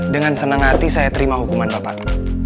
dengan senang hati saya terima hukuman pak pak